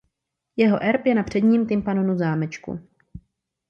Jeho erb je na předním tympanonu zámečku.